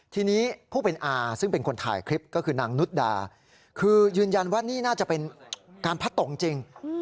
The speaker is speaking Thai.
ทีนี้ผู้เป็นอาซึ่งเป็นคนถ่ายคลิปก็คือนางนุดดาคือยืนยันว่านี่น่าจะเป็นการพัดตกจริง